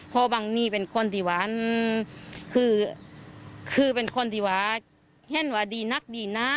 เพราะบังนี่เป็นคนที่หวานคือคือเป็นคนที่ว่าเห็นว่าดีนักดีนะ